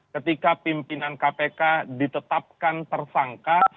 ketika pimpinan kpk ditetapkan tersangka